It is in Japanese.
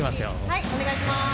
はいお願いします。